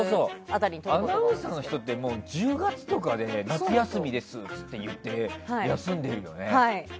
アナウンサーの人って１０月とかに夏休みですって休んでいるよね。